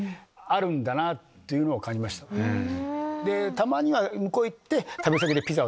たまには向こう行って。